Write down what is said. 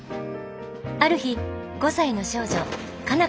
ある日５歳の少女佳奈